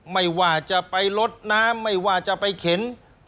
ไม่ว่าจะไปลดน้ำไม่ว่าจะไปเข็น